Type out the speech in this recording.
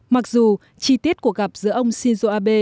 mặc dù chi tiết cuộc gặp giữa ông shinzo abe